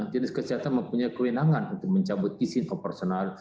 dinas kesehatan mempunyai kewenangan untuk mencabut isi komporsional